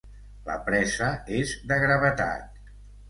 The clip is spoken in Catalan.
La presa és de gravetat.